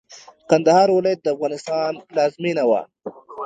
کندهار ولايت د افغانستان پلازمېنه وه.